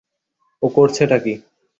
ও করছে টা কি?